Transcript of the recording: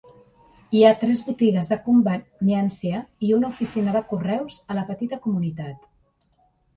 Hi ha tres botigues de conveniència i una oficia de correus a la petita comunitat.